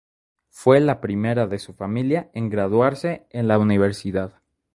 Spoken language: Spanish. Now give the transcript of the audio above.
Fue la primera de su familia en graduarse en la universidad.